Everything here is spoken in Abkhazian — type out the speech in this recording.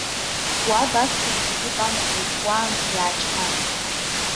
Уа баԥхьар зегьы банаҳәоит, уаанӡа иаачҳа!